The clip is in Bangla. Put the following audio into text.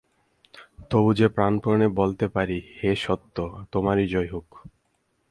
তবু যে প্রাণপণে বলতে পারি, হে সত্য, তোমারই জয় হোক।